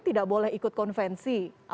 tidak boleh ikut konvensi